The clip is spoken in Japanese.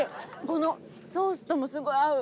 このソースともすごい合う。